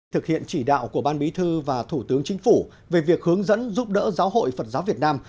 thực hiện chỉ đạo của ban bí thư và thủ tướng chính phủ về việc hướng dẫn giúp đỡ giáo hội phật giáo việt nam